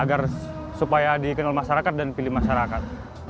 agar supaya dikenal masyarakat dan pilih masyarakat